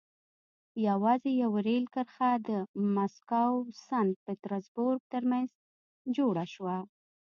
یوازې یوه رېل کرښه د مسکو سن پټزربورګ ترمنځ جوړه شوه.